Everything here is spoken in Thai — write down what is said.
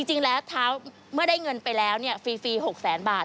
จริงแล้วเท้าเมื่อได้เงินไปแล้วฟรี๖แสนบาท